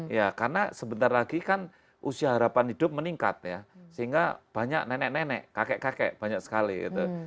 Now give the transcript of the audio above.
ya karena sebentar lagi kan usia harapan hidup meningkat ya sehingga banyak nenek nenek kakek kakek banyak sekali gitu